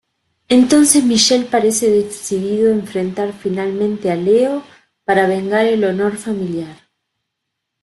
Entonces Michele parece decidido a enfrentar finalmente a Leo para vengar el honor familiar.